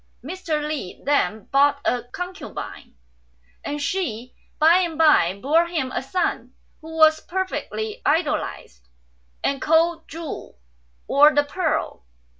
Mr. Li then bought a concubine, and she by and by bore him a son, who was perfectly idolised, and called Chu, or the Pearl.